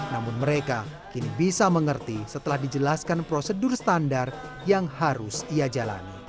namun mereka kini bisa mengerti setelah dijelaskan prosedur standar yang harus ia jalani